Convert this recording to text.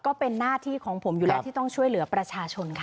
ก็เป็นหน้าที่ของผมอยู่แล้วที่ต้องช่วยเหลือประชาชนค่ะ